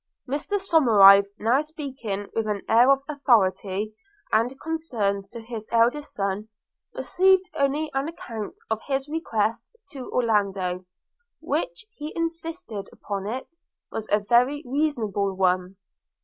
Mr Somerive, now speaking with an air of authority and concern to his eldest son, received only an account of his request to Orlando, which, he insisted upon it, was a very reasonable one.